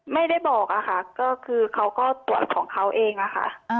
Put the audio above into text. ไม่ได้บอกอะค่ะก็คือเขาก็ตรวจของเขาเองอะค่ะ